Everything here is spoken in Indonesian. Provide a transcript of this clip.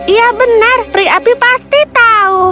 iya benar peri api pasti tahu